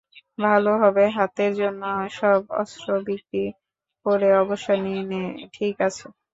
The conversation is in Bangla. ভালো হবে হাতের জন্য সব অস্ত্র বিক্রি করে অবসর নিয়ে নে, ঠিক আছে?